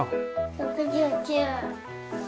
６９。